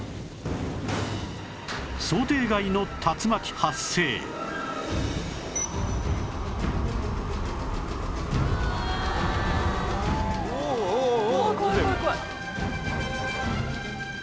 想定外の竜巻発生わあ怖い怖い怖い。